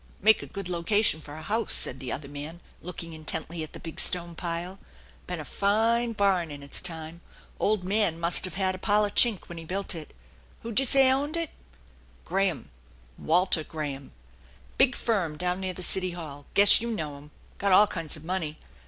" Make a good location for a house," said the other man, looking intently at the big stone pile. " Been a fine barn in its time. Old man must uv had a pile of chink when he built it. Who'd ya say owned it ?"" Graham, Walter Graham, big firm down near the city hall guess you know 'em. Got all kinds of money.